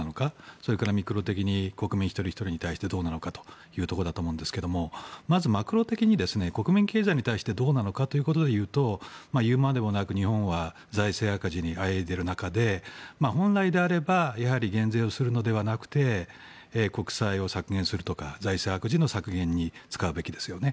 それからミクロ的に国民一人ひとりに対してどうなのかというところだと思うんですがまずマクロ的に国民経済に対してどうなのかということで言うというまでもなく、日本は財政赤字にあえいでいる中で本来であれば減税をするのではなくて国債を削減するとか財政赤字の削減に使うべきですよね。